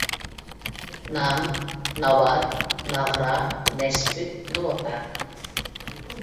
نان، ناۋات، ناغرا، نەشپۈت، نوتا.